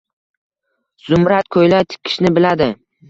Zumrad ko'ylak tikishni biladi